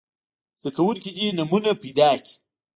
زده کوونکي دې نومونه پیداکړي.